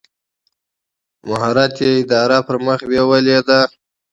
مهارت یې اداره پر مخ بېولې ده.